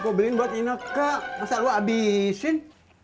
kok beli buat ina kak masa lu abisin